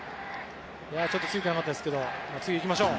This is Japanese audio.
ちょっとついてなかったですが次にいきましょう！